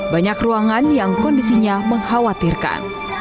banyak ruangan yang kondisinya mengkhawatirkan